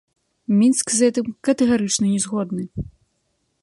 Мінск з гэтым катэгарычна не згодны.